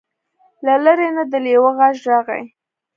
له لرې نه د لیوه غږ راغی.